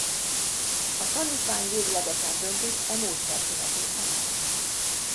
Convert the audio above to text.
A tanítvány véglegesen döntött e módszer követése mellett.